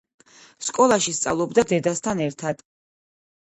სკოლაში სწავლობდა დედასთან ერთად.